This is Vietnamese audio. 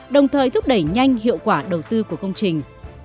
đồng thời thúc đẩy nhanh hiệu quả đầu tư của công trình